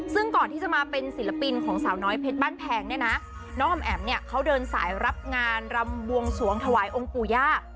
ซึ่งก่อนที่จะมาเป็นศิลปินของสาวน้อยเพชรบ้านแพงเนี่ยนะน้องออมแอ๋มเนี่ยเขาเดินสายรับงานรำบวงสวงถวายองค์ปู่ย่า